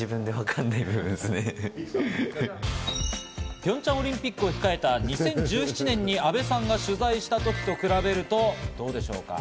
ピョンチャンオリンピックを控えた２０１７年に阿部さんが取材した時と比べるとどうでしょうか？